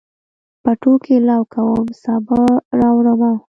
پټو کې لو کوم، سابه راوړمه